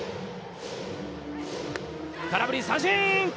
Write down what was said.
空振り三振！